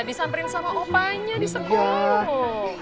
disamperin sama opanya di sekolah